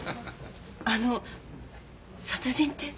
あの殺人って？